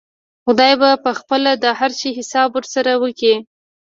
خداى به پخپله د هر شي حساب ورسره وکا.